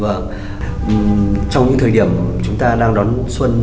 vâng trong thời điểm chúng ta đang đón xuân